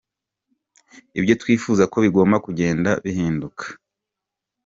Ibyo twifuza ko bigomba kugenda bihinduka.